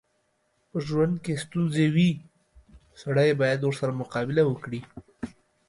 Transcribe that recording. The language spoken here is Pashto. په ژوند کې ستونځې وي، سړی بايد ورسره مقابله وکړي.